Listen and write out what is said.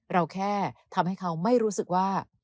เราแค่ทำให้เขาไม่รู้สึกว่า